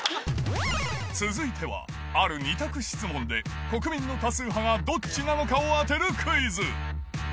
続いては、ある２択質問で国民の多数派がどっちなのかを当てるクイズ。